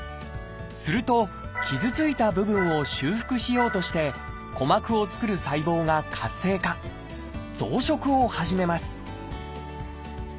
すると傷ついた部分を修復しようとして鼓膜を作る細胞が活性化増殖を始めます